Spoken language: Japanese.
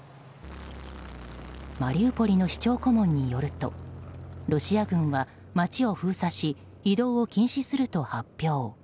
マリウポリの市長顧問によるとロシア軍は街を封鎖し移動を禁止すると発表。